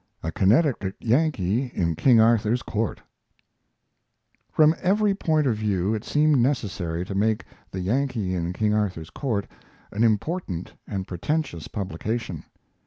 "A CONNECTICUT YANKEE IN KING ARTHUR'S COURT" From every point of view it seemed necessary to make the 'Yankee in King Arthur's Court' an important and pretentious publication.